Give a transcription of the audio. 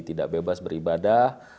tidak bebas beribadah